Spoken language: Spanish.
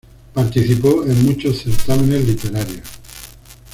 Participó en muchos certámenes literarios.